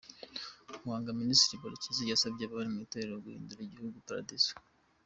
Muhanga Minisitiri Murekezi yasabye abari mu itorero guhindura igihugu paradizo